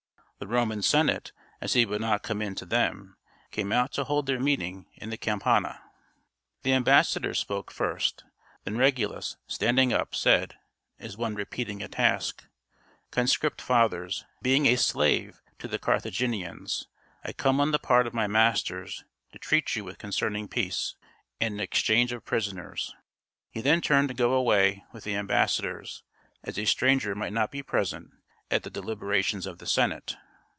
The Roman Senate, as he would not come in to them, came out to hold their meeting in the Campagna. The ambassadors spoke first, then Regulus, standing up, said, as one repeating a task, "Conscript fathers, being a slave to the Carthaginians, I come on the part of my masters to treat with you concerning peace, and an exchange of prisoners." He then turned to go away with the ambassadors, as a stranger might not be present at the deliberations of the Senate.